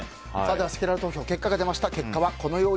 せきらら投票結果が出ました。